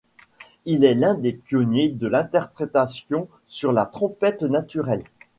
Il est l'un des pionniers de l'interprétation sur la trompette naturelle.